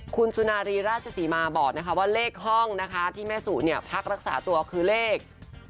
คุณสุนารีราชสีมาบอกว่าเลขห้องที่แม่สูตรเนี่ยพักรักษาตัวคือเลข๕๐๙